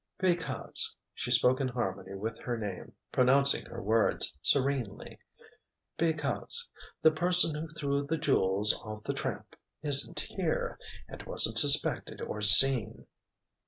"Because—" She spoke in harmony with her name, pronouncing her words serenely: "Because—the person who threw the jewels off the Tramp—isn't here—and wasn't suspected or seen."